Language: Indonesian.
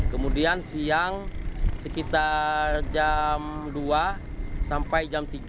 kemudian siang sekitar jam dua sampai jam tiga